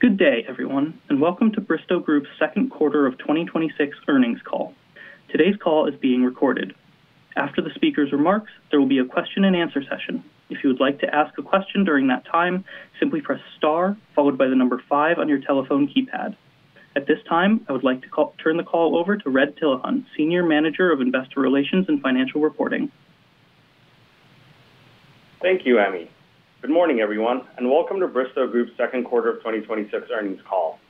Good day, everyone, and welcome to Bristow Group's second quarter of 2026 earnings call. Today's call is being recorded. After the speaker's remarks, there will be a question-and-answer session. If you would like to ask a question during that time, simply press star followed by number five on your telephone keypad. At this time, I would like to turn the call over to Red Tilahun, Senior Manager of Investor Relations and Financial Reporting. Thank you, Amy. Good morning, everyone, and welcome to Bristow Group's second quarter of 2026 earnings call.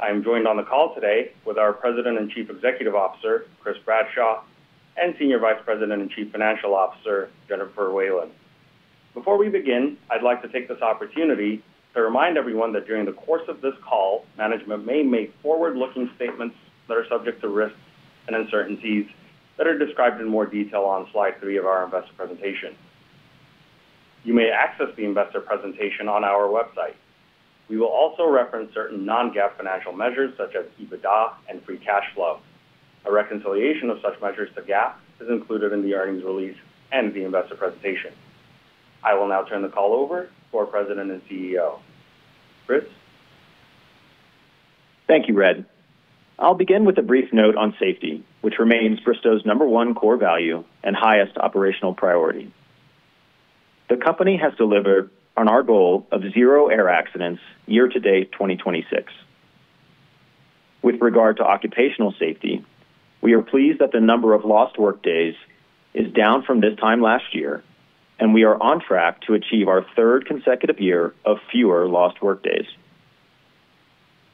I am joined on the call today with our President and Chief Executive Officer, Chris Bradshaw, and Senior Vice President and Chief Financial Officer, Jennifer Whalen. Before we begin, I'd like to take this opportunity to remind everyone that during the course of this call, management may make forward-looking statements that are subject to risks and uncertainties that are described in more detail on slide three of our investor presentation. You may access the investor presentation on our website. We will also reference certain non-GAAP financial measures such as EBITDA and free cash flow. A reconciliation of such measures to GAAP is included in the earnings release and the investor presentation. I will now turn the call over to our President and CEO. Chris? Thank you, Red. I'll begin with a brief note on safety, which remains Bristow's number one core value and highest operational priority. The company has delivered on our goal of zero air accidents year-to-date 2026. With regard to occupational safety, we are pleased that the number of lost workdays is down from this time last year, and we are on track to achieve our third consecutive year of fewer lost workdays.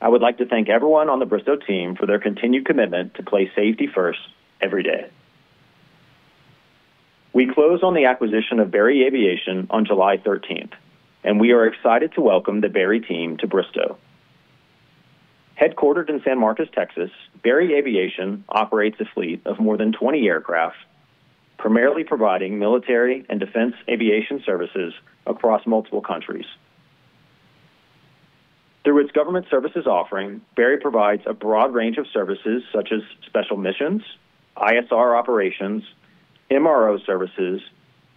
I would like to thank everyone on the Bristow team for their continued commitment to play safety first every day. We closed on the acquisition of Berry Aviation on July 13th, and we are excited to welcome the Berry team to Bristow. Headquartered in San Marcos, Texas, Berry Aviation operates a fleet of more than 20 aircraft, primarily providing military and defense aviation services across multiple countries. Through its government services offering, Berry provides a broad range of services such as special missions, ISR operations, MRO services,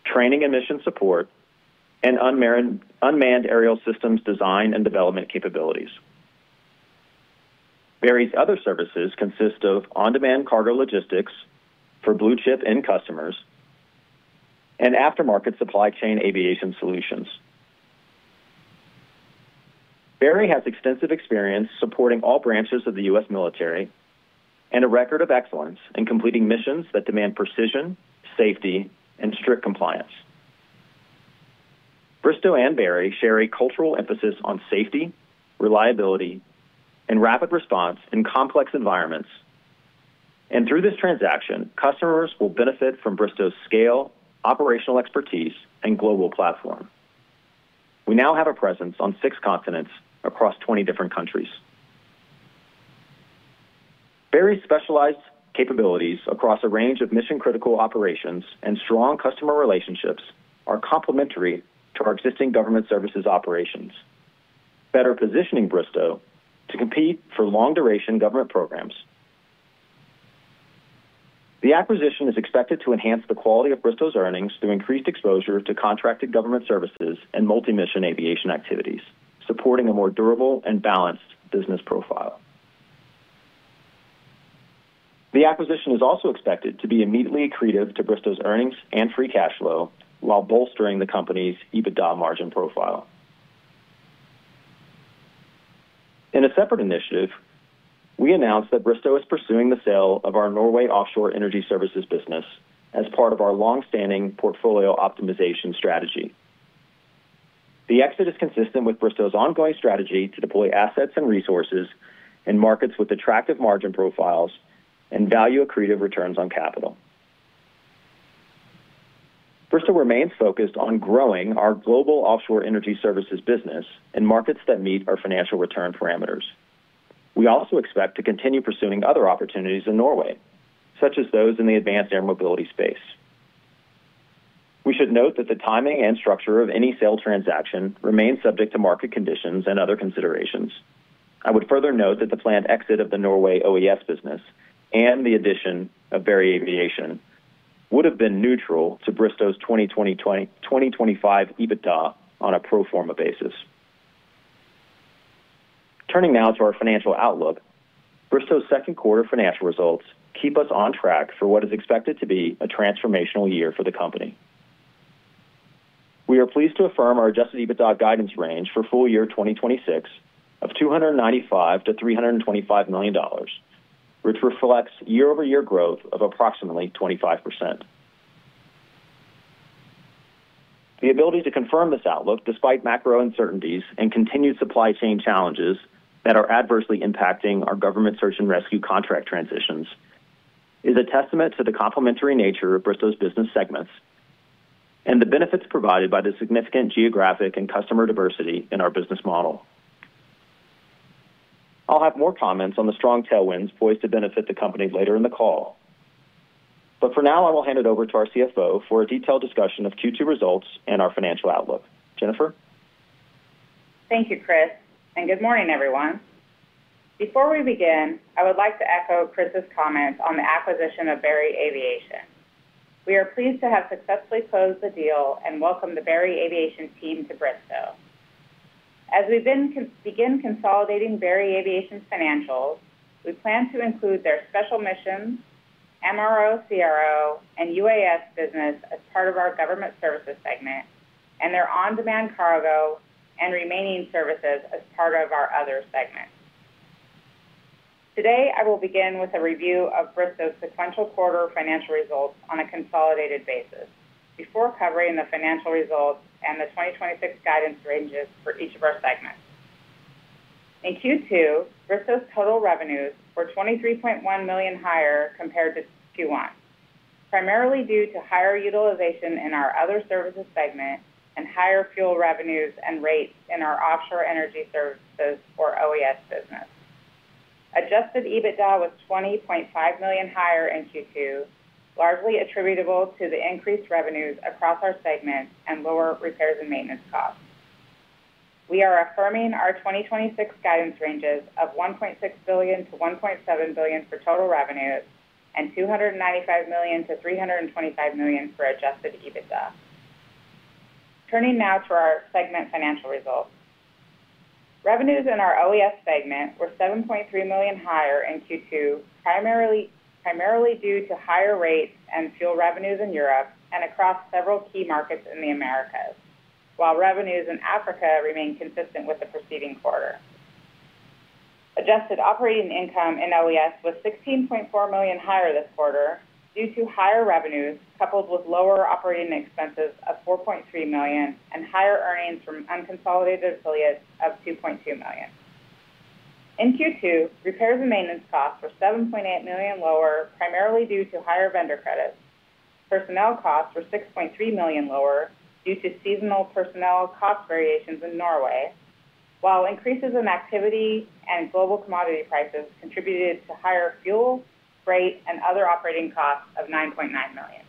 training and mission support, and unmanned aerial systems design and development capabilities. Berry's other services consist of on-demand cargo logistics for blue-chip end customers and aftermarket supply chain aviation solutions. Berry has extensive experience supporting all branches of the U.S. military and a record of excellence in completing missions that demand precision, safety, and strict compliance. Bristow and Berry share a cultural emphasis on safety, reliability, and rapid response in complex environments. Through this transaction, customers will benefit from Bristow's scale, operational expertise, and global platform. We now have a presence on six continents across 20 different countries. Berry's specialized capabilities across a range of mission-critical operations and strong customer relationships are complementary to our existing government services operations, better positioning Bristow to compete for long-duration government programs. The acquisition is expected to enhance the quality of Bristow's earnings through increased exposure to contracted government services and multi-mission aviation activities, supporting a more durable and balanced business profile. The acquisition is also expected to be immediately accretive to Bristow's earnings and free cash flow while bolstering the company's EBITDA margin profile. In a separate initiative, we announced that Bristow is pursuing the sale of our Norway Offshore Energy Services business as part of our longstanding portfolio optimization strategy. The exit is consistent with Bristow's ongoing strategy to deploy assets and resources in markets with attractive margin profiles and value-accretive returns on capital. Bristow remains focused on growing our global offshore energy services business in markets that meet our financial return parameters. We also expect to continue pursuing other opportunities in Norway, such as those in the advanced air mobility space. We should note that the timing and structure of any sale transaction remains subject to market conditions and other considerations. I would further note that the planned exit of the Norway OES business and the addition of Berry Aviation would have been neutral to Bristow's 2025 EBITDA on a pro forma basis. Turning now to our financial outlook, Bristow's second quarter financial results keep us on track for what is expected to be a transformational year for the company. We are pleased to affirm our adjusted EBITDA guidance range for full-year 2026 of $295 million-$325 million, which reflects year-over-year growth of approximately 25%. The ability to confirm this outlook despite macro uncertainties and continued supply chain challenges that are adversely impacting our government search and rescue contract transitions is a testament to the complementary nature of Bristow's business segments and the benefits provided by the significant geographic and customer diversity in our business model. I'll have more comments on the strong tailwinds poised to benefit the company later in the call. For now, I will hand it over to our CFO for a detailed discussion of Q2 results and our financial outlook. Jennifer? Thank you, Chris, and good morning, everyone. Before we begin, I would like to echo Chris's comments on the acquisition of Berry Aviation. We are pleased to have successfully closed the deal and welcome the Berry Aviation team to Bristow. As we begin consolidating Berry Aviation's financials, we plan to include their special missions, MRO, CRO, and UAS business as part of our government services segment, and their on-demand cargo and remaining services as part of our Other segment. Today, I will begin with a review of Bristow's sequential quarter financial results on a consolidated basis before covering the financial results and the 2026 guidance ranges for each of our segments. In Q2, Bristow's total revenues were $23.1 million higher compared to Q1, primarily due to higher utilization in our other services segment and higher fuel revenues and rates in our Offshore Energy Services or OES business. Adjusted EBITDA was $20.5 million higher in Q2, largely attributable to the increased revenues across our segments and lower repairs and maintenance costs. We are affirming our 2026 guidance ranges of $1.6 billion-$1.7 billion for total revenues and $295 million-$325 million for Adjusted EBITDA. Turning now to our segment financial results. Revenues in our OES segment were $7.3 million higher in Q2, primarily due to higher rates and fuel revenues in Europe and across several key markets in the Americas, while revenues in Africa remained consistent with the preceding quarter. Adjusted operating income in OES was $16.4 million higher this quarter due to higher revenues coupled with lower operating expenses of $4.3 million and higher earnings from unconsolidated affiliates of $2.2 million. In Q2, repairs and maintenance costs were $7.8 million lower, primarily due to higher vendor credits. Personnel costs were $6.3 million lower due to seasonal personnel cost variations in Norway, while increases in activity and global commodity prices contributed to higher fuel, rate, and other operating costs of $9.9 million.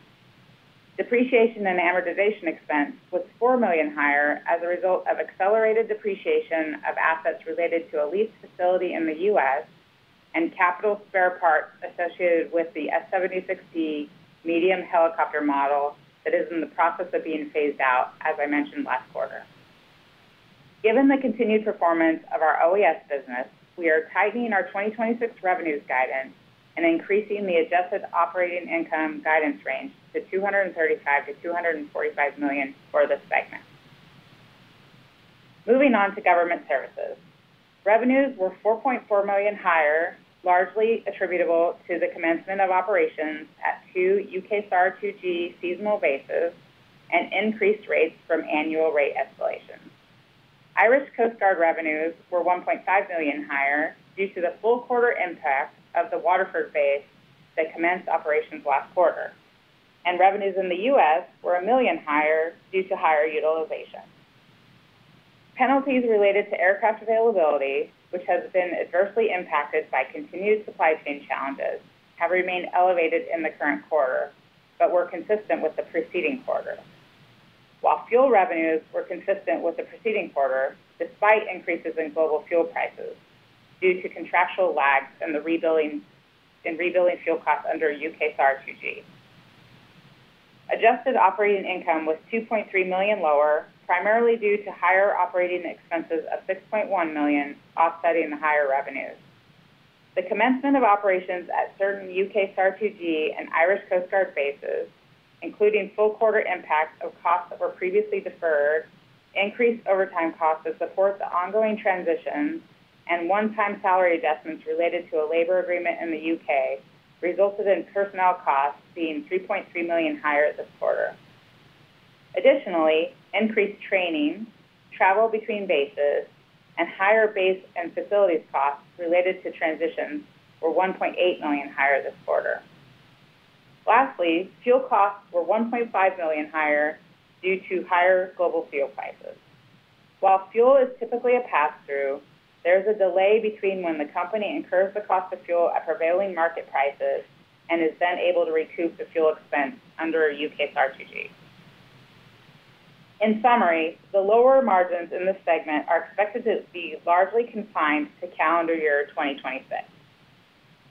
Depreciation and amortization expense was $4 million higher as a result of accelerated depreciation of assets related to a leased facility in the U.S. and capital spare parts associated with the S-76D medium helicopter model that is in the process of being phased out, as I mentioned last quarter. Given the continued performance of our OES business, we are tightening our 2026 revenues guidance and increasing the Adjusted operating income guidance range to $235 million-$245 million for this segment. Moving on to government services. Revenues were $4.4 million higher, largely attributable to the commencement of operations at two UKSAR2G seasonal bases and increased rates from annual rate escalations. Irish Coast Guard revenues were $1.5 million higher due to the full quarter impact of the Waterford base that commenced operations last quarter, and revenues in the U.S. were $1 million higher due to higher utilization. Penalties related to aircraft availability, which has been adversely impacted by continued supply chain challenges, have remained elevated in the current quarter but were consistent with the preceding quarter. While fuel revenues were consistent with the preceding quarter, despite increases in global fuel prices due to contractual lags in rebuilding fuel costs under UKSAR2G. Adjusted operating income was $2.3 million lower, primarily due to higher operating expenses of $6.1 million offsetting the higher revenues. The commencement of operations at certain UKSAR2G and Irish Coast Guard bases, including full quarter impacts of costs that were previously deferred, increased overtime costs to support the ongoing transition, and one-time salary adjustments related to a labor agreement in the U.K. resulted in personnel costs being $3.3 million higher this quarter. Additionally, increased training, travel between bases, and higher base and facilities costs related to transitions were $1.8 million higher this quarter. Lastly, fuel costs were $1.5 million higher due to higher global fuel prices. While fuel is typically a pass-through, there's a delay between when the company incurs the cost of fuel at prevailing market prices and is then able to recoup the fuel expense under a UKSAR2G. In summary, the lower margins in this segment are expected to be largely confined to calendar year 2026.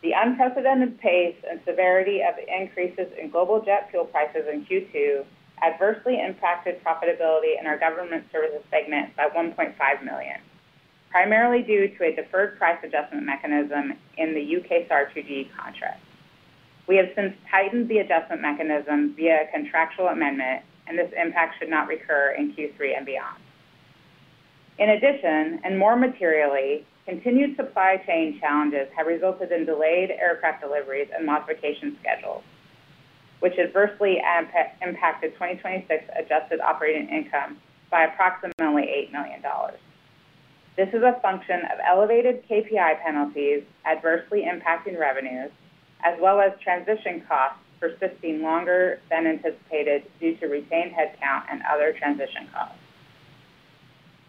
The unprecedented pace and severity of increases in global jet fuel prices in Q2 adversely impacted profitability in our government services segment by $1.5 million, primarily due to a deferred price adjustment mechanism in the UKSAR2G contract. We have since tightened the adjustment mechanism via a contractual amendment, this impact should not recur in Q3 and beyond. In addition, more materially, continued supply chain challenges have resulted in delayed aircraft deliveries and modification schedules, which adversely impacted 2026 adjusted operating income by approximately $8 million. This is a function of elevated KPI penalties adversely impacting revenues, as well as transition costs persisting longer than anticipated due to retained headcount and other transition costs.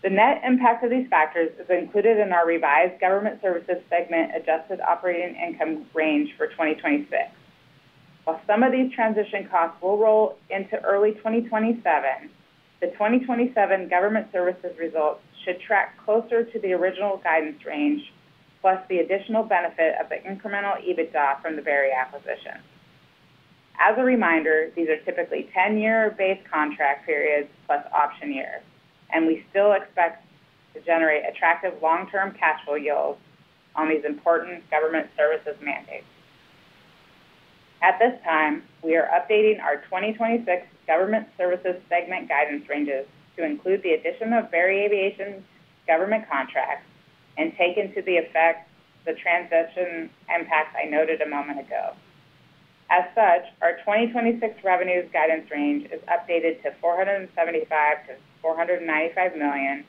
The net impact of these factors is included in our revised government services segment adjusted operating income range for 2026. While some of these transition costs will roll into early 2027, the 2027 government services results should track closer to the original guidance range, plus the additional benefit of the incremental EBITDA from the Berry acquisition. As a reminder, these are typically 10-year base contract periods plus option years, we still expect to generate attractive long-term cash flow yields on these important government services mandates. At this time, we are updating our 2026 government services segment guidance ranges to include the addition of Berry Aviation's government contracts and take into the effect the transition impacts I noted a moment ago. As such, our 2026 revenues guidance range is updated to $475 million-$495 million,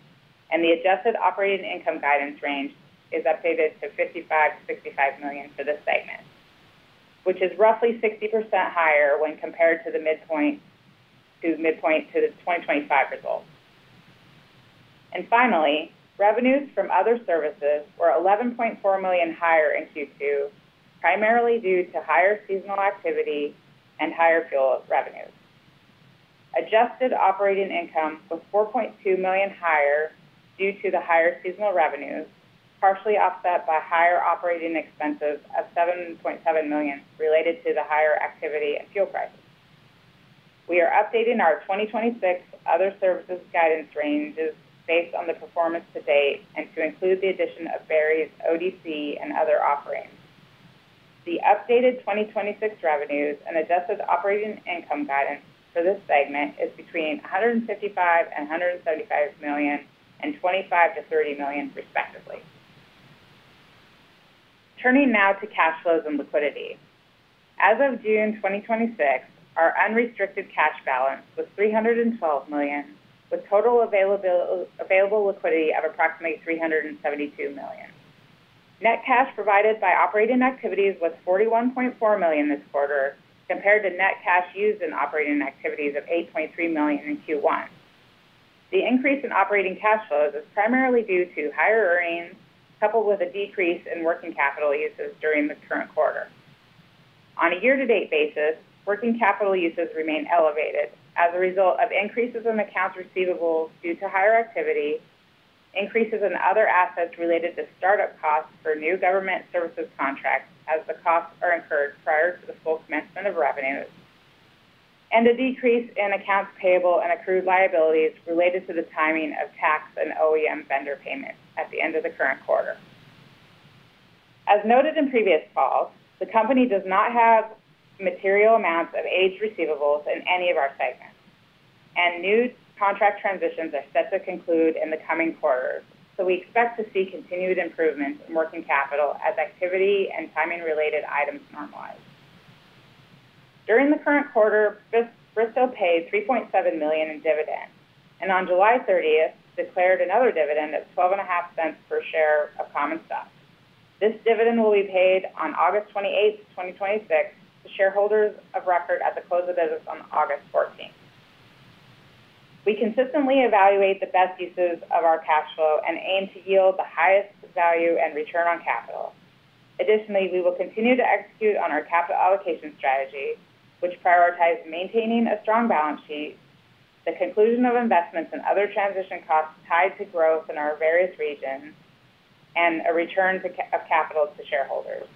and the adjusted operating income guidance range is updated to $55 million-$65 million for this segment, which is roughly 60% higher when compared to the midpoint to the 2025 results. Finally, revenues from other services were $11.4 million higher in Q2, primarily due to higher seasonal activity and higher fuel revenues. Adjusted operating income was $4.2 million higher due to the higher seasonal revenues, partially offset by higher operating expenses of $7.7 million related to the higher activity and fuel prices. We are updating our 2026 other services guidance ranges based on the performance to date and to include the addition of Berry's ODC and other offerings. The updated 2026 revenues and adjusted operating income guidance for this segment is between $155 million and $175 million and $25 million-$30 million, respectively. Turning now to cash flows and liquidity. As of June 2026, our unrestricted cash balance was $312 million, with total available liquidity of approximately $372 million. Net cash provided by operating activities was $41.4 million this quarter compared to net cash used in operating activities of $8.3 million in Q1. The increase in operating cash flows is primarily due to higher earnings, coupled with a decrease in working capital usage during the current quarter. On a year-to-date basis, working capital usages remain elevated as a result of increases in accounts receivables due to higher activity, increases in other assets related to startup costs for new government services contracts as the costs are incurred prior to the full commencement of revenues, and a decrease in accounts payable and accrued liabilities related to the timing of tax and OEM vendor payments at the end of the current quarter. As noted in previous calls, the company does not have material amounts of aged receivables in any of our segments, and new contract transitions are set to conclude in the coming quarters. We expect to see continued improvements in working capital as activity and timing-related items normalize. During the current quarter, Bristow paid $3.7 million in dividends, and on July 30th, declared another dividend of $0.125 per share of common stock. This dividend will be paid on August 28th, 2026 to shareholders of record at the close of business on August 14th. We consistently evaluate the best uses of our cash flow and aim to yield the highest value and return on capital. Additionally, we will continue to execute on our capital allocation strategy, which prioritizes maintaining a strong balance sheet, the conclusion of investments and other transition costs tied to growth in our various regions, and a return of capital to shareholders.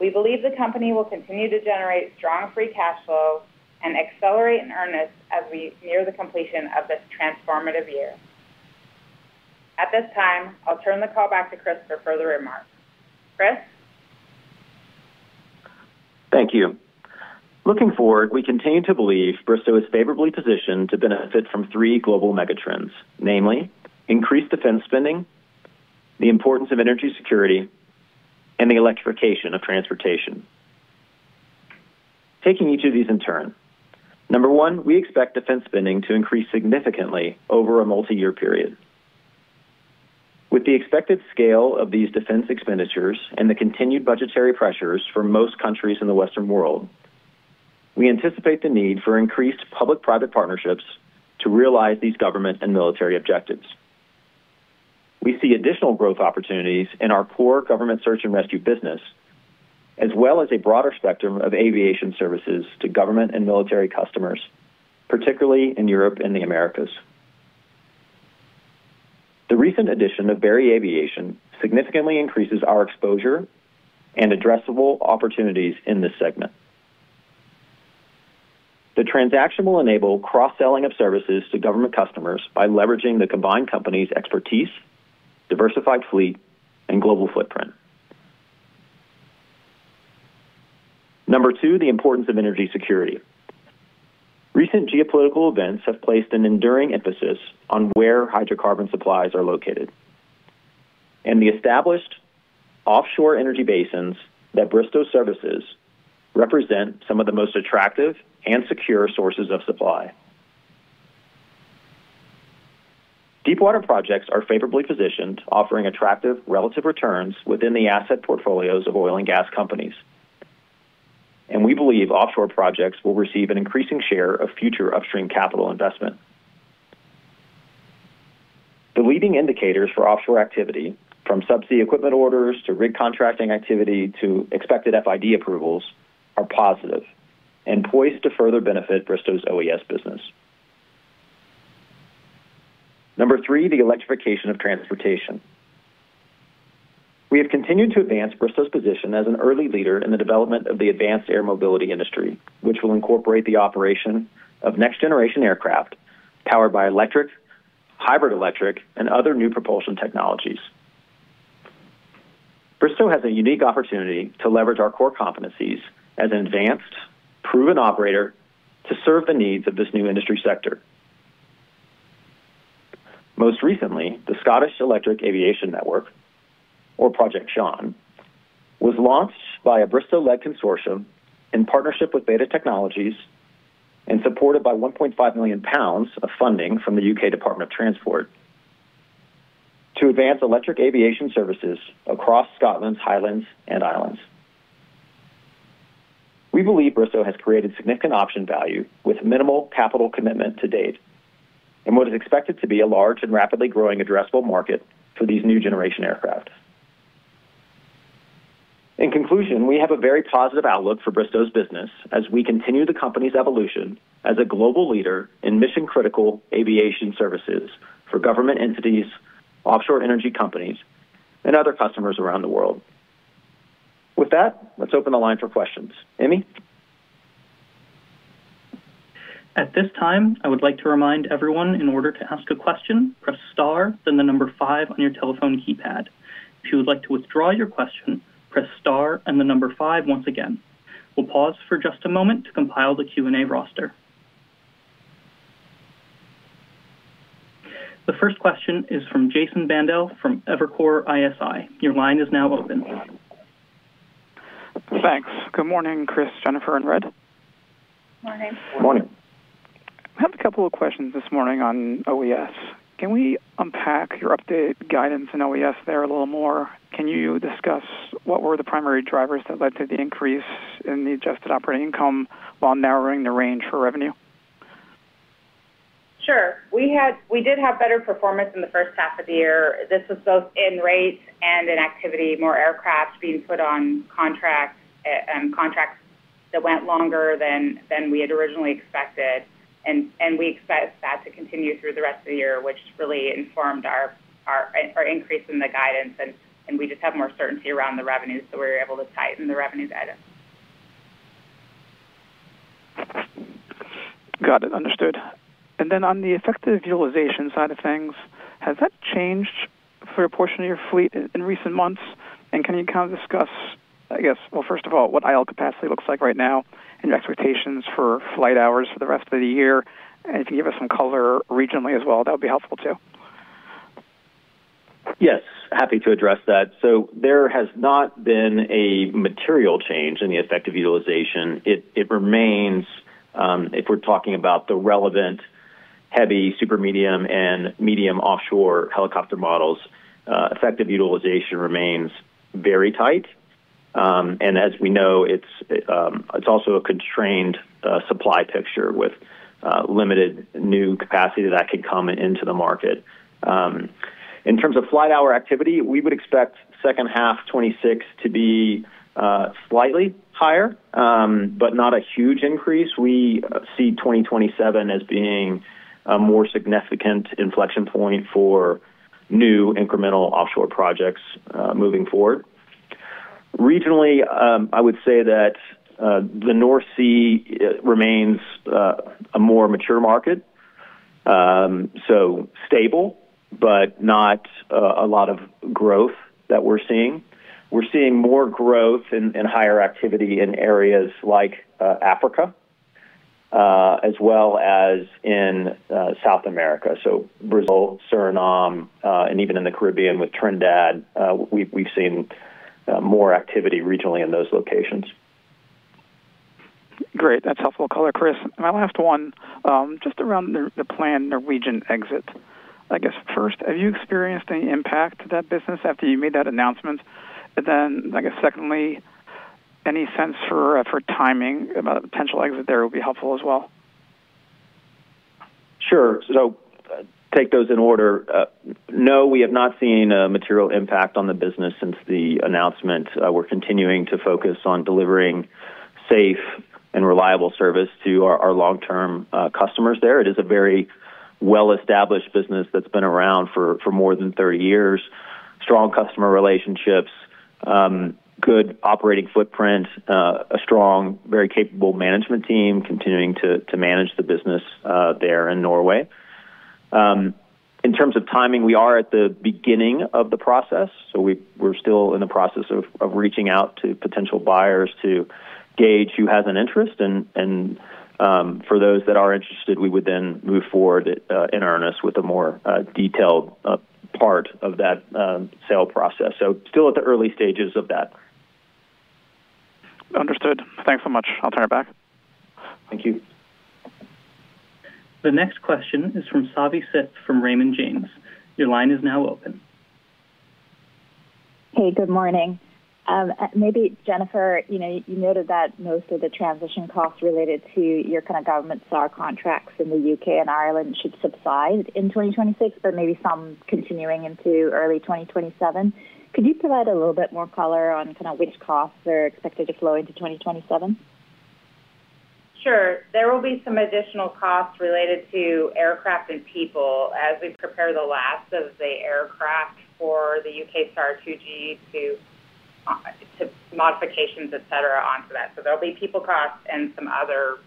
We believe the company will continue to generate strong free cash flow and accelerate in earnest as we near the completion of this transformative year. At this time, I'll turn the call back to Chris for further remarks. Chris? Thank you. Looking forward, we continue to believe Bristow is favorably positioned to benefit from three global megatrends, namely increased defense spending, the importance of energy security, and the electrification of transportation. Taking each of these in turn. Number one, we expect defense spending to increase significantly over a multi-year period. With the expected scale of these defense expenditures and the continued budgetary pressures for most countries in the Western world, we anticipate the need for increased public-private partnerships to realize these government and military objectives. We see additional growth opportunities in our core government search and rescue business, as well as a broader spectrum of aviation services to government and military customers, particularly in Europe and the Americas. The recent addition of Berry Aviation significantly increases our exposure and addressable opportunities in this segment. The transaction will enable cross-selling of services to government customers by leveraging the combined company's expertise, diversified fleet, and global footprint. Number two, the importance of energy security. Recent geopolitical events have placed an enduring emphasis on where hydrocarbon supplies are located, and the established offshore energy basins that Bristow services represent some of the most attractive and secure sources of supply. Deep water projects are favorably positioned, offering attractive relative returns within the asset portfolios of oil and gas companies. We believe offshore projects will receive an increasing share of future upstream capital investment. The leading indicators for offshore activity, from subsea equipment orders to rig contracting activity to expected FID approvals, are positive and poised to further benefit Bristow's OES business. Number three, the electrification of transportation. We have continued to advance Bristow's position as an early leader in the development of the advanced air mobility industry, which will incorporate the operation of next-generation aircraft powered by electric, hybrid electric, and other new propulsion technologies. Bristow has a unique opportunity to leverage our core competencies as an advanced, proven operator to serve the needs of this new industry sector. Most recently, the Scottish Electric Aviation Network, or Project SEAN, was launched by a Bristow-led consortium in partnership with BETA Technologies and supported by 1.5 million pounds of funding from the U.K. Department of Transport to advance electric aviation services across Scotland's highlands and islands. We believe Bristow has created significant option value with minimal capital commitment to date in what is expected to be a large and rapidly growing addressable market for these new-generation aircraft. In conclusion, we have a very positive outlook for Bristow's business as we continue the company's evolution as a global leader in mission-critical aviation services for government entities, offshore energy companies, and other customers around the world. With that, let's open the line for questions. Amy? At this time, I would like to remind everyone, in order to ask a question, press star, then the number five on your telephone keypad. If you would like to withdraw your question, press star and the number five once again. We'll pause for just a moment to compile the Q&A roster. The first question is from Jason Bandel from Evercore ISI. Your line is now open. Thanks. Good morning, Chris, Jennifer, and Red. Morning. Morning. I have a couple of questions this morning on OES. Can we unpack your update guidance in OES there a little more? Can you discuss what were the primary drivers that led to the increase in the adjusted operating income while narrowing the range for revenue? Sure. We did have better performance in the first half of the year. This was both in rates and in activity, more aircraft being put on contracts, and contracts that went longer than we had originally expected. We expect that to continue through the rest of the year, which really informed our increase in the guidance. We just have more certainty around the revenue, so we were able to tighten the revenue guidance. Got it. Understood. On the effective utilization side of things, has that changed for a portion of your fleet in recent months? Can you discuss, first of all, what idle capacity looks like right now and your expectations for flight hours for the rest of the year? If you can give us some color regionally as well, that would be helpful too. Yes. Happy to address that. There has not been a material change in the effective utilization. If we're talking about the relevant heavy super medium and medium offshore helicopter models, effective utilization remains very tight. As we know, it's also a constrained supply picture with limited new capacity that could come into the market. In terms of flight hour activity, we would expect second half 2026 to be slightly higher, but not a huge increase. We see 2027 as being a more significant inflection point for new incremental offshore projects moving forward. Regionally, I would say that the North Sea remains a more mature market. Stable, but not a lot of growth that we're seeing. We're seeing more growth and higher activity in areas like Africa, as well as in South America. Brazil, Suriname, and even in the Caribbean with Trinidad, we've seen more activity regionally in those locations. Great. That's helpful color. Chris, my last one, just around the planned Norwegian exit. First, have you experienced any impact to that business after you made that announcement? Secondly, any sense for timing about a potential exit there would be helpful as well. Sure. Take those in order. No, we have not seen a material impact on the business since the announcement. We're continuing to focus on delivering safe and reliable service to our long-term customers there. It is a very well-established business that's been around for more than 30 years. Strong customer relationships, good operating footprint, a strong, very capable management team continuing to manage the business there in Norway. In terms of timing, we are at the beginning of the process. We're still in the process of reaching out to potential buyers to gauge who has an interest. For those that are interested, we would then move forward in earnest with a more detailed part of that sale process. Still at the early stages of that. Understood. Thanks so much. I'll turn it back. Thank you. The next question is from Savi Syth from Raymond James. Your line is now open. Hey, good morning. Maybe Jennifer, you noted that most of the transition costs related to your government SAR contracts in the U.K. and Ireland should subside in 2026, but maybe some continuing into early 2027. Could you provide a little bit more color on which costs are expected to flow into 2027? Sure. There will be some additional costs related to aircraft and people as we prepare the last of the aircraft for the UKSAR2G modifications, et cetera, onto that. There'll be people costs and some other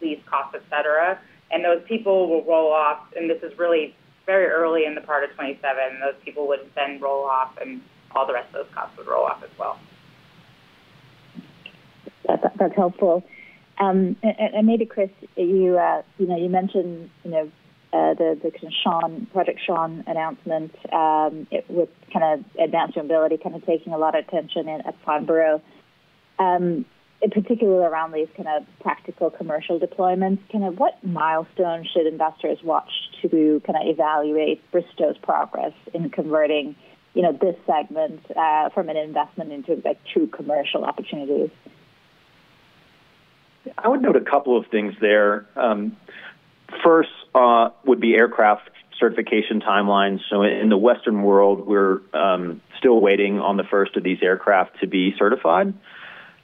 lease costs, et cetera, and those people will roll off, and this is really very early in the part of 2027. Those people would then roll off and all the rest of those costs would roll off as well. That's helpful. Maybe Chris, you mentioned the Project SEAN announcement, with advanced mobility taking a lot of attention at Farnborough, in particular around these kind of practical commercial deployments. What milestones should investors watch to evaluate Bristow's progress in converting this segment from an investment into a true commercial opportunity? I would note a couple of things there. First, would be aircraft certification timelines. In the Western world, we're still waiting on the first of these aircraft to be certified.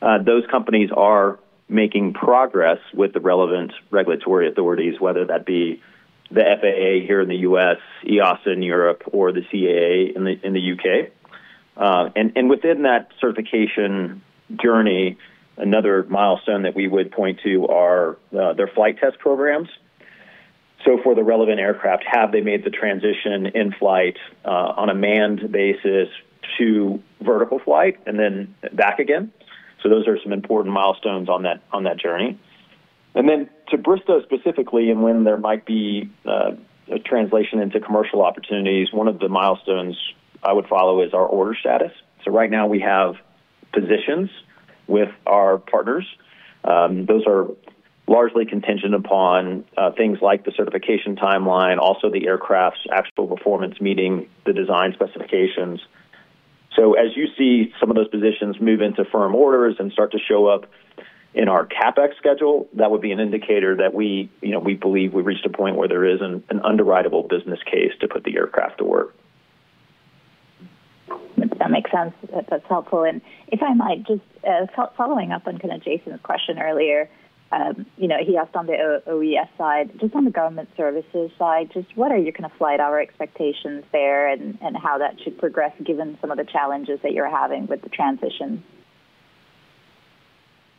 Those companies are making progress with the relevant regulatory authorities, whether that be the FAA here in the U.S., EASA in Europe, or the CAA in the U.K. Within that certification journey, another milestone that we would point to are their flight test programs. For the relevant aircraft, have they made the transition in flight, on a manned basis to vertical flight and then back again? Those are some important milestones on that journey. Then to Bristow specifically and when there might be a translation into commercial opportunities, one of the milestones I would follow is our order status. Right now we have positions with our partners. Those are largely contingent upon things like the certification timeline, also the aircraft's actual performance meeting the design specifications. As you see some of those positions move into firm orders and start to show up in our CapEx schedule, that would be an indicator that we believe we've reached a point where there is an underwrite-able business case to put the aircraft to work. That makes sense. That's helpful. If I might just, following up on Jason's question earlier, he asked on the OES side, just on the government services side, just what are your flight hour expectations there and how that should progress given some of the challenges that you're having with the transition?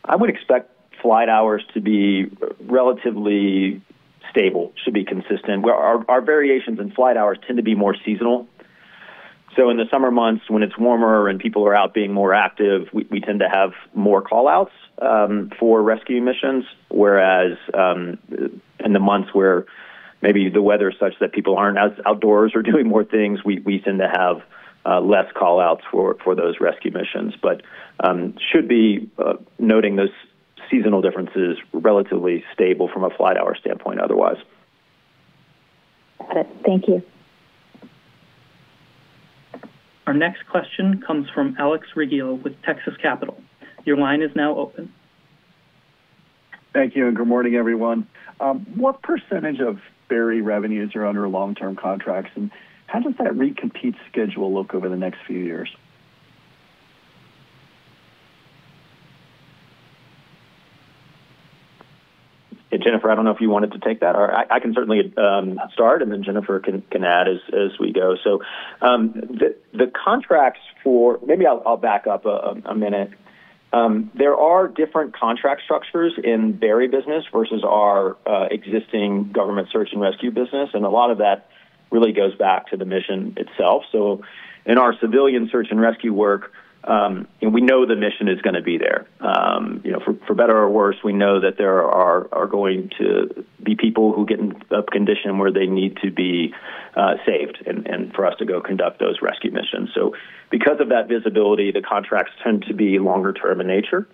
I would expect flight hours to be relatively stable, should be consistent. Our variations in flight hours tend to be more seasonal. In the summer months when it's warmer and people are out being more active, we tend to have more call-outs for rescue missions. Whereas, in the months where maybe the weather is such that people aren't outdoors or doing more things, we tend to have less call-outs for those rescue missions. Should be noting those seasonal differences, relatively stable from a flight hour standpoint otherwise. Got it. Thank you. Our next question comes from Alex Rygiel with Texas Capital. Your line is now open. Thank you and good morning, everyone. What percentage of Berry revenues are under long-term contracts, and how does that recompete schedule look over the next few years? Jennifer, I don't know if you wanted to take that, or I can certainly start and then Jennifer can add as we go. Maybe I'll back up a minute. There are different contract structures in Berry business versus our existing government search and rescue business, and a lot of that really goes back to the mission itself. In our civilian search and rescue work, we know the mission is going to be there. For better or worse, we know that there are going to be people who get in a condition where they need to be saved and for us to go conduct those rescue missions. Because of that visibility, the contracts tend to be longer term in nature.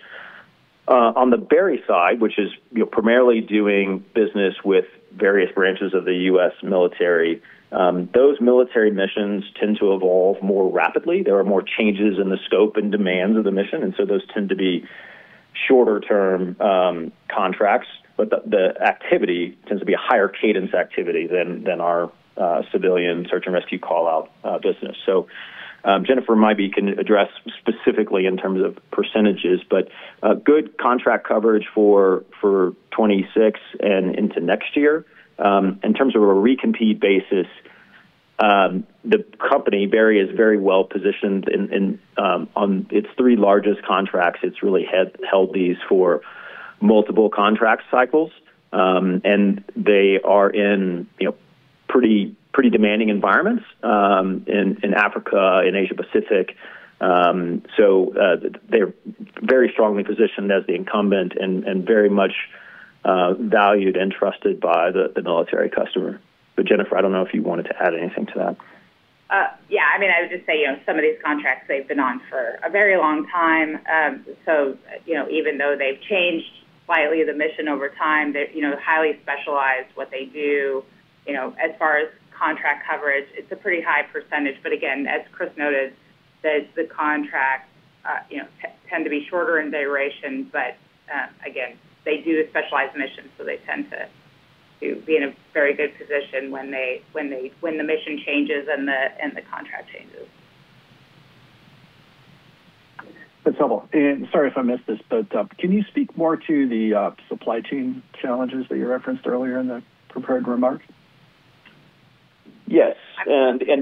On the Berry side, which is primarily doing business with various branches of the U.S. military, those military missions tend to evolve more rapidly. There are more changes in the scope and demands of the mission, those tend to be shorter-term contracts. The activity tends to be a higher cadence activity than our civilian search and rescue call-out business. Jennifer maybe can address specifically in terms of percentages, but good contract coverage for 2026 and into next year. In terms of a recompete basis, the company, Berry, is very well-positioned on its three largest contracts. It's really held these for multiple contract cycles. They are in pretty demanding environments, in Africa, in Asia Pacific. They're very strongly positioned as the incumbent and very much valued and trusted by the military customer. Jennifer, I don't know if you wanted to add anything to that. Yeah, I would just say some of these contracts they've been on for a very long time. Even though they've changed slightly the mission over time, they've highly specialized what they do. As far as contract coverage, it's a pretty high percentage. Again, as Chris noted, the contracts tend to be shorter in duration. Again, they do specialized missions, they tend to be in a very good position when the mission changes and the contract changes. That's helpful. Sorry if I missed this, but can you speak more to the supply chain challenges that you referenced earlier in the prepared remarks? Yes.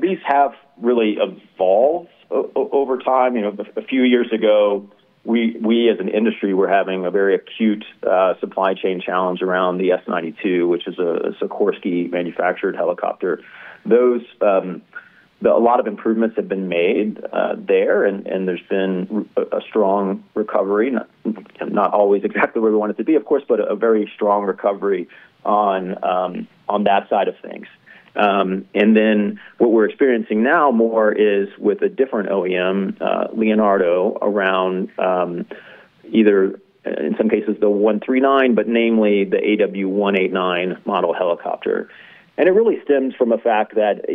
These have really evolved over time. A few years ago, we as an industry, were having a very acute supply chain challenge around the S-92, which is a Sikorsky-manufactured helicopter. A lot of improvements have been made there, and there's been a strong recovery. Not always exactly where we want it to be, of course, but a very strong recovery on that side of things. Then what we're experiencing now more is with a different OEM, Leonardo, around either, in some cases, the 139, but namely the AW189 model helicopter. It really stems from the fact that,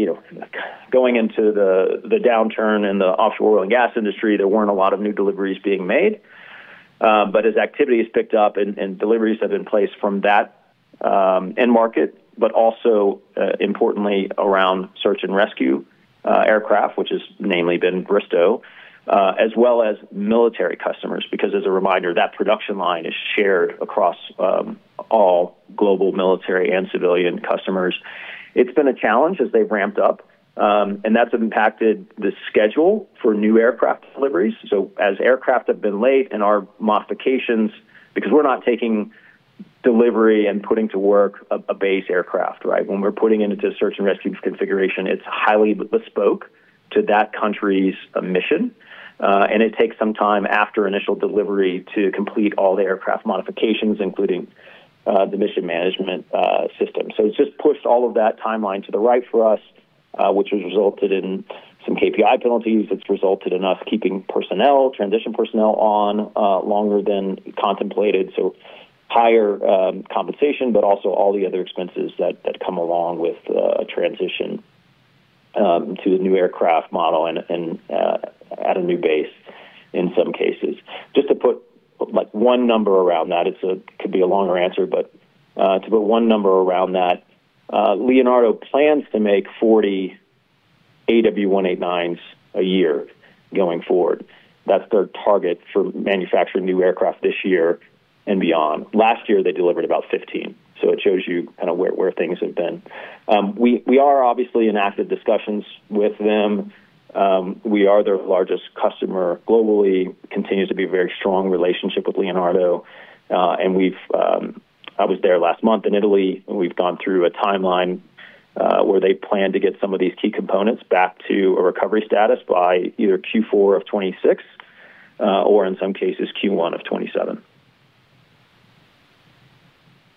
going into the downturn in the offshore oil and gas industry, there weren't a lot of new deliveries being made. But as activity has picked up and deliveries have been placed from that end market, but also importantly, around search and rescue aircraft, which has namely been Bristow, as well as military customers, because as a reminder, that production line is shared across all global military and civilian customers. It's been a challenge as they've ramped up, and that's impacted the schedule for new aircraft deliveries. As aircraft have been late and our modifications, because we're not taking delivery and putting to work a base aircraft. When we're putting it into a search and rescue configuration, it's highly bespoke to that country's mission. It takes some time after initial delivery to complete all the aircraft modifications, including the mission management system. It's just pushed all of that timeline to the right for us, which has resulted in some KPI penalties. It's resulted in us keeping transition personnel on longer than contemplated, so higher compensation, but also all the other expenses that come along with a transition to a new aircraft model and at a new base in some cases. Just to put one number around that, it could be a longer answer, but to put one number around that, Leonardo plans to make 40 AW189s a year going forward. That's their target for manufacturing new aircraft this year and beyond. Last year, they delivered about 15, so it shows you where things have been. We are obviously in active discussions with them. We are their largest customer globally, continues to be a very strong relationship with Leonardo. I was there last month in Italy. We've gone through a timeline where they plan to get some of these key components back to a recovery status by either Q4 of 2026 or in some cases, Q1 of 2027.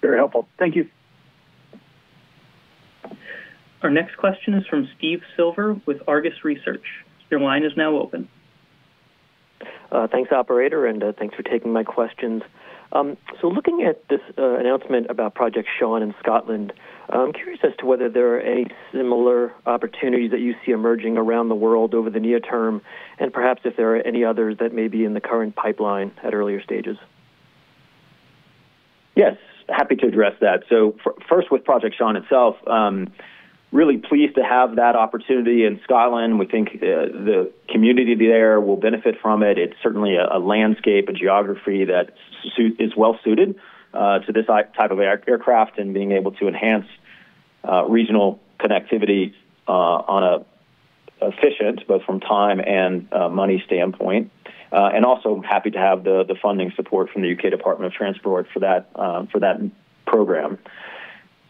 Very helpful. Thank you. Our next question is from Steve Silver with Argus Research. Your line is now open. Thanks, operator. Thanks for taking my questions. Looking at this announcement about Project SEAN in Scotland, I'm curious as to whether there are any similar opportunities that you see emerging around the world over the near-term, and perhaps if there are any others that may be in the current pipeline at earlier stages. Yes, happy to address that. First with Project SEAN itself, really pleased to have that opportunity in Scotland. We think the community there will benefit from it. It is certainly a landscape, a geography that is well-suited to this type of aircraft and being able to enhance regional connectivity on an efficient, both from time and money standpoint. Also happy to have the funding support from the U.K. Department of Transport for that program.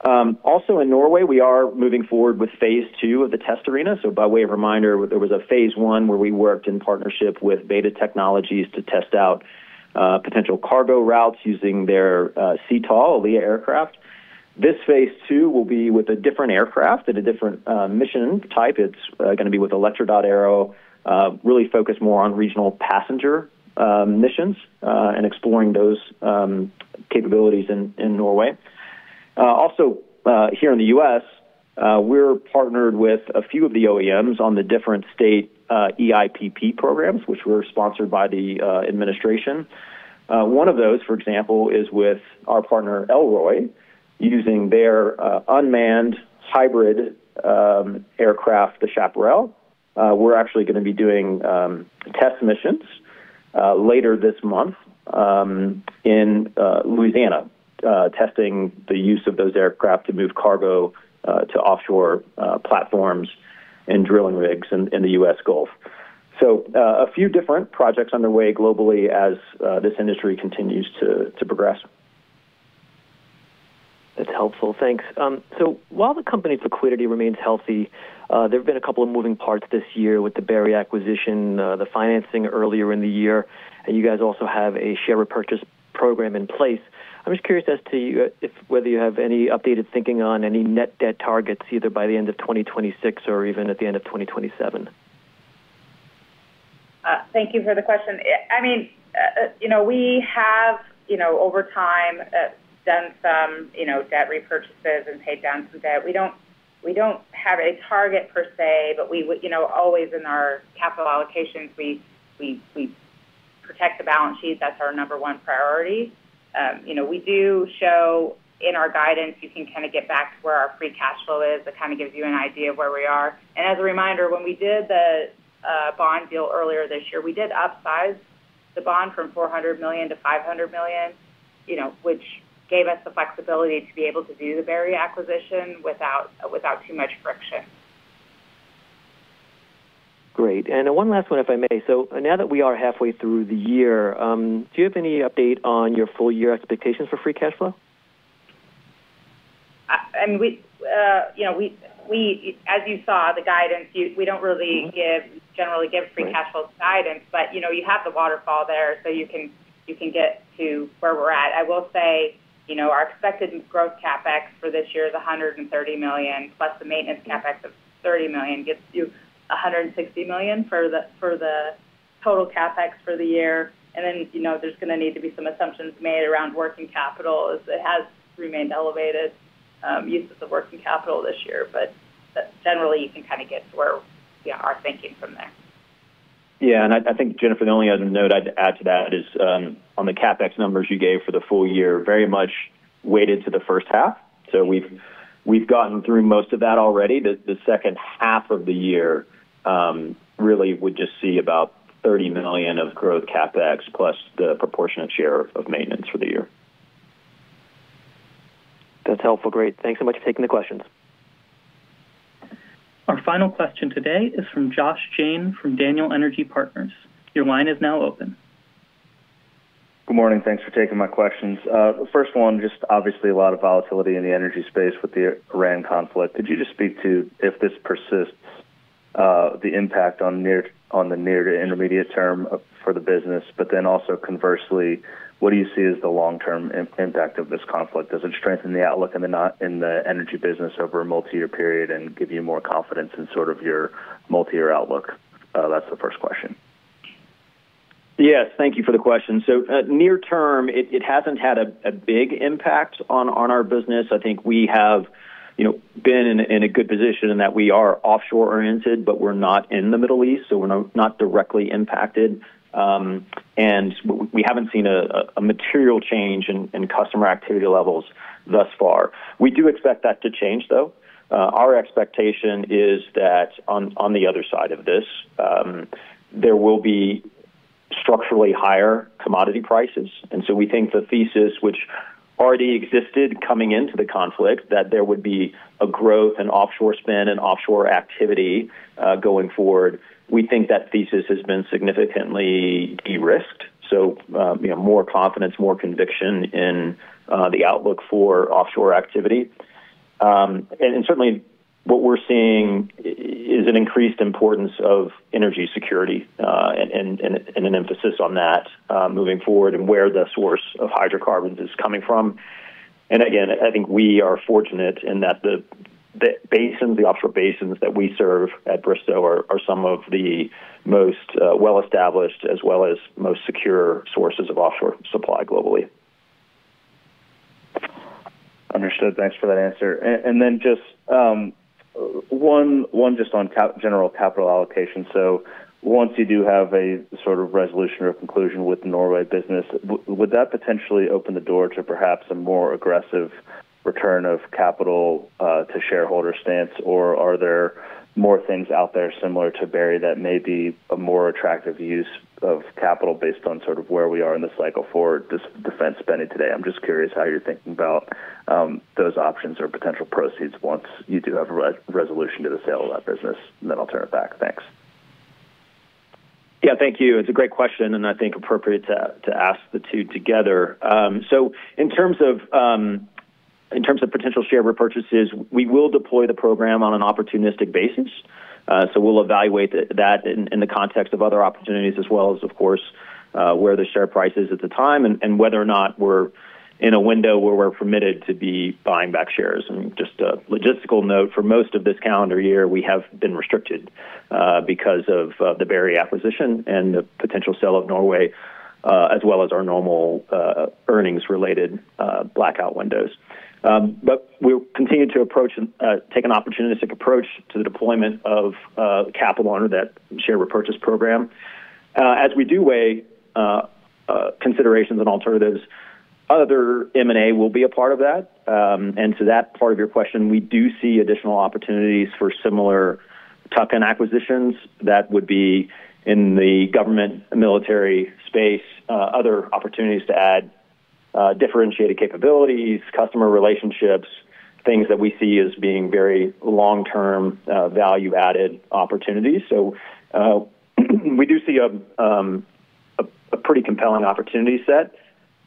Also in Norway, we are moving forward with phase II of the test arena. By way of reminder, there was a phase I where we worked in partnership with BETA Technologies to test out potential cargo routes using their CTOL LEA aircraft. This phase II will be with a different aircraft and a different mission type. It is going to be with Electra.aero, really focused more on regional passenger missions, exploring those capabilities in Norway. Also, here in the U.S., we are partnered with a few of the OEMs on the different state eIPP programs, which were sponsored by the administration. One of those, for example, is with our partner, Elroy, using their unmanned hybrid aircraft, the Chaparral. We are actually going to be doing test missions later this month in Louisiana, testing the use of those aircraft to move cargo to offshore platforms and drilling rigs in the U.S. Gulf. A few different projects underway globally as this industry continues to progress. That is helpful. Thanks. While the company's liquidity remains healthy, there have been a couple of moving parts this year with the Berry acquisition, the financing earlier in the year, you guys also have a share repurchase program in place. I am just curious as to whether you have any updated thinking on any net debt targets, either by the end of 2026 or even at the end of 2027. Thank you for the question. We have, over time, done some debt repurchases and paid down some debt. We do not have a target per se, but always in our capital allocations, we protect the balance sheet. That is our number 1 priority. We do show in our guidance, you can kind of get back to where our free cash flow is. That kind of gives you an idea of where we are. As a reminder, when we did the bond deal earlier this year, we did upsize the bond from $400 million-$500 million, which gave us the flexibility to be able to do the Berry acquisition without too much friction. Great. One last one, if I may. Now that we are halfway through the year, do you have any update on your full year expectations for free cash flow? Yeah. As you saw, the guidance, we don't really generally give free cash flow guidance, but you have the waterfall there, so you can get to where we're at. I will say, our expected growth CapEx for this year is $130 million, plus the maintenance CapEx of $30 million gives you $160 million for the total CapEx for the year. Then, there's going to need to be some assumptions made around working capital, as it has remained elevated, usage of working capital this year. Generally, you can kind of get to where our thinking from there. Yeah, I think, Jennifer, the only other note I'd add to that is, on the CapEx numbers you gave for the full-year, very much weighted to the first half. We've gotten through most of that already. The second half of the year really would just see about $30 million of growth CapEx plus the proportionate share of maintenance for the year. That's helpful. Great. Thanks so much for taking the questions. Our final question today is from Josh Jayne from Daniel Energy Partners. Your line is now open. Good morning. Thanks for taking my questions. First one, just obviously a lot of volatility in the energy space with the Iran conflict. Could you just speak to, if this persists, the impact on the near to intermediate term for the business? Also conversely, what do you see as the long-term impact of this conflict? Does it strengthen the outlook in the energy business over a multi-year period and give you more confidence in sort of your multi-year outlook? That's the first question. Yes. Thank you for the question. Near-term, it hasn't had a big impact on our business. I think we have been in a good position in that we are offshore-oriented, but we're not in the Middle East, so we're not directly impacted. We haven't seen a material change in customer activity levels thus far. We do expect that to change, though. Our expectation is that on the other side of this, there will be structurally higher commodity prices. We think the thesis, which already existed coming into the conflict, that there would be a growth in offshore spend and offshore activity going forward, we think that thesis has been significantly de-risked. More confidence, more conviction in the outlook for offshore activity. Certainly, what we're seeing is an increased importance of energy security, and an emphasis on that moving forward, and where the source of hydrocarbons is coming from. Again, I think we are fortunate in that the offshore basins that we serve at Bristow are some of the most well-established and most secure sources of offshore supply globally. Understood. Thanks for that answer. Just one on general capital allocation. Once you do have a sort of resolution or conclusion with the Norway business, would that potentially open the door to perhaps a more aggressive return of capital to shareholder stance? Or are there more things out there similar to Berry that may be a more attractive use of capital based on sort of where we are in the cycle for defense spending today? I'm just curious how you're thinking about those options or potential proceeds once you do have a resolution to the sale of that business. I'll turn it back. Thanks. Yeah. Thank you. It's a great question. I think appropriate to ask the two together. In terms of potential share repurchases, we will deploy the program on an opportunistic basis. We'll evaluate that in the context of other opportunities as well as, of course, where the share price is at the time and whether or not we're in a window where we're permitted to be buying back shares. Just a logistical note, for most of this calendar year, we have been restricted because of the Berry acquisition and the potential sale of Norway, as well as our normal earnings-related blackout windows. We'll continue to take an opportunistic approach to the deployment of capital under that share repurchase program. As we do weigh considerations and alternatives, other M&A will be a part of that. To that part of your question, we do see additional opportunities for similar tuck-in acquisitions that would be in the government military space other opportunities to add differentiated capabilities, customer relationships, things that we see as being very long-term, value-added opportunities. We do see a pretty compelling opportunity set.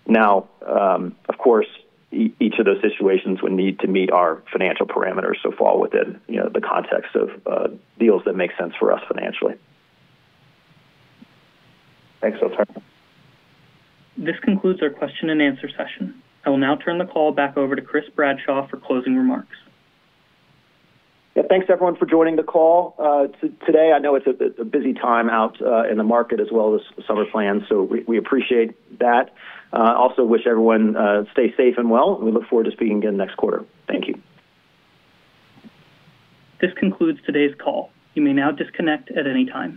Now, of course, each of those situations would need to meet our financial parameters or fall within the context of deals that make sense for us financially. Thanks. I'll turn it back. This concludes our question-and-answer session. I will now turn the call back over to Chris Bradshaw for closing remarks. Yeah. Thanks, everyone, for joining the call today. I know it's a busy time out in the market as well as summer plans, so we appreciate that. Also wish everyone stay safe and well. We look forward to speaking again next quarter. Thank you. This concludes today's call. You may now disconnect at any time.